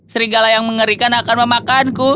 serigala yang mengerikan akan memakanku